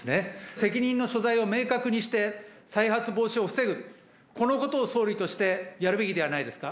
責任の所在を明確にして、再発防止を防ぐ、このことを総理としてやるべきではないですか。